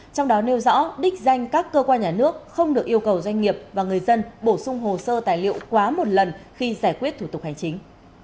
trong đó nêu rõ đích danh các cơ quan nhà nước không được yêu cầu doanh nghiệp và người dân bổ sung hồ sơ tài liệu quá một lần khi giải quyết thủ tục hành chính